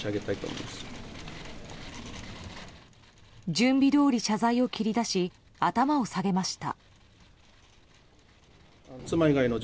準備どおり謝罪を切り出し頭を下げました。